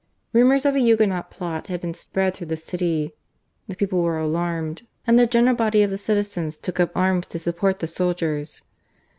Rumours of a Huguenot plot had been spread through the city. The people were alarmed, and the general body of the citizens took up arms to support the soldiers.